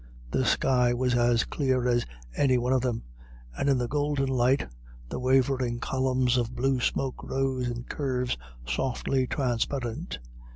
The sky was as clear as any one of them, and in the golden light the wavering columns of blue smoke rose with curves softly transparent.